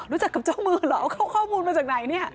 รู้จักกับเจ้ามือเหรอเข้าข้อมูลมาจากไหนเนี่ย